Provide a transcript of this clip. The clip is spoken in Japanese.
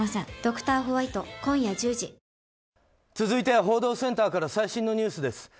続いては報道センターから最新のニュースです。